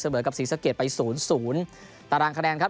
สะเบิดกับศรีสะเกียจไป๐๐ตารางคะแนนครับ